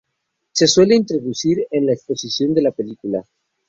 Se suele introducir en la exposición de la película.